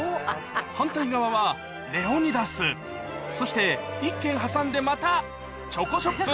反対側はレオニダスそして１軒挟んでまたチョコショップ